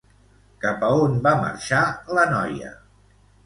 Cap a on va marxa la noia?